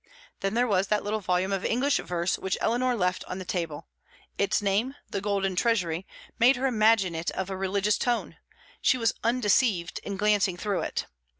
Then there was that little volume of English verse which Eleanor left on the table; its name, "The Golden Treasury," made her imagine it of a religious tone; she was undeceived in glancing through it.